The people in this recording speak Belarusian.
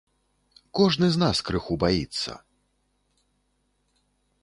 Кожны з нас крыху баіцца.